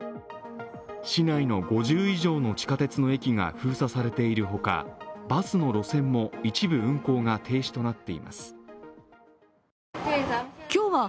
市内の５０以上の地下鉄の駅が封鎖されているほか、バスの路線も一部、運行が停止となっています。